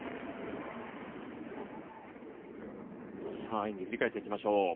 演技を振り返っていきましょう。